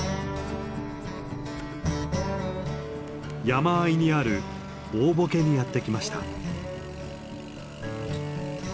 山あいにある大歩危にやって来ました。